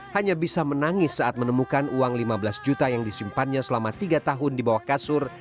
hanya bisa menangis saat menemukan uang lima belas juta yang disimpannya selama tiga tahun di bawah kasur